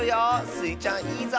スイちゃんいいぞ！